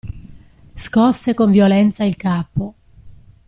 Scosse con violenza il capo.